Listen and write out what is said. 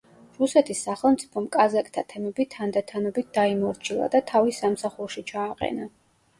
რუსეთის სახელმწიფომ კაზაკთა თემები თანდათანობით დაიმორჩილა და თავის სამსახურში ჩააყენა.